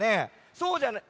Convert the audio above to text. そうじゃない。